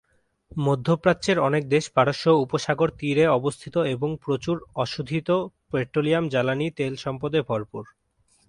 মধ্যপ্রাচ্যের অনেক দেশ পারস্য উপসাগর তীরে অবস্থিত এবং প্রচুর অশোধিত পেট্রোলিয়াম জ্বালানী তেল সম্পদে ভরপুর।